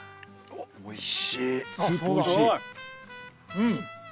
うん。